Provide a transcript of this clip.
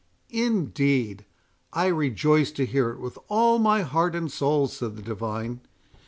"Indeed! I rejoice to hear it with all my heart and soul," said the divine.